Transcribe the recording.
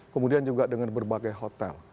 kemudian juga dengan berbagai hotel